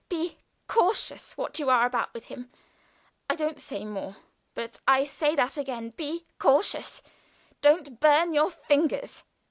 Be cautious what you are about with him. I don't say more, but I say that again. Be cautious! Don't burn your fingers.